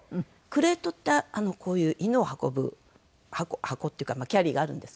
クレートってこういう犬を運ぶ箱箱っていうかキャリーがあるんですけど。